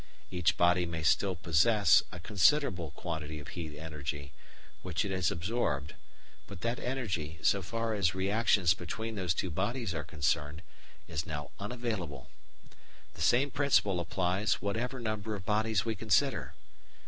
Each body may still possess a considerable quantity of heat energy, which it has absorbed, but that energy, so far as reactions between those two bodies are concerned, is now unavailable. The same principle applies whatever number of bodies we consider.